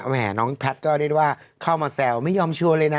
แหมน้องแพทย์ก็ได้ว่าเข้ามาแซวไม่ยอมชวนเลยนะ